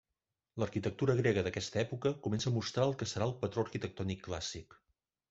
L'arquitectura grega d'aquesta època comença a mostrar el que serà el patró arquitectònic clàssic.